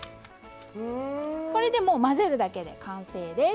これでもう混ぜるだけで完成です。